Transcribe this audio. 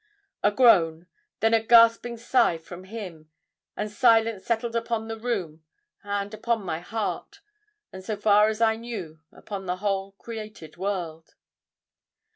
"A groan; then a gasping sigh from him, and silence settled upon the room and upon my heart, and so far as I knew upon the whole created world.